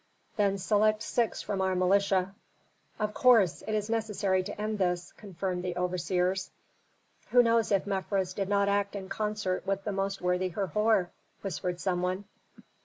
"Then select six from our militia." "Of course! It is necessary to end this," confirmed the overseers. "Who knows if Mefres did not act in concert with the most worthy Herhor?" whispered some one.